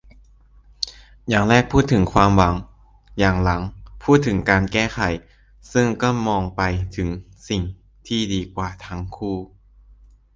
อย่างแรกพูดถึงความหวัง อย่างหลังพูดถึงการแก้ไข - ซึ่งก็มองไปถึงสิ่งที่ดีกว่าทั้งคู่